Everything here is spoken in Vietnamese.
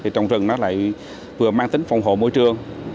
trồng rừng nó lại vừa mang tính phòng hộ môi trường